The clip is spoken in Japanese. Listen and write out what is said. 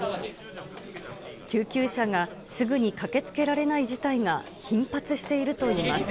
救急車がすぐに駆けつけられない事態が頻発しているといいます。